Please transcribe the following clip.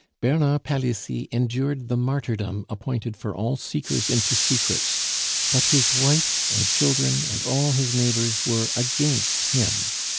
Bernard Palissy endured the martyrdom appointed for all seekers into secrets but his wife and children and all his neighbors were against him.